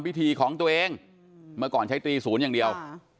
พิธีของตัวเองเมื่อก่อนใช้ตีศูนย์อย่างเดียว